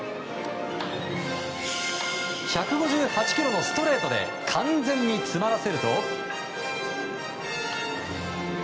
１５８キロのストレートで完全に詰まらせると。